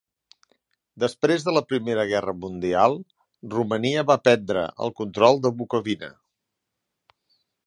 Després de la Primera Guerra Mundial, Romania va prendre el control de Bukovina.